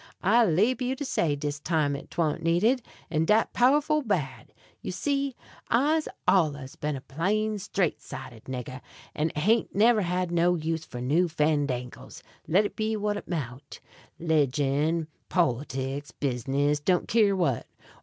I leab you to say dis time ef 'twant needed, and dat pow'ful bad. You see, I'se allers been a plain, straight sided nigger, an' hain't never had no use for new fandangles, let it be what it mout; 'ligion, polytix, bisness don't ker what.